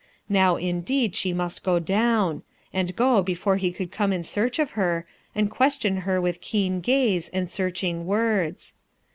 Now indeed she must go down; and go before he could come in search of her, and question her with keen gaze and searching words.